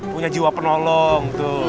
punya jiwa penolong tuh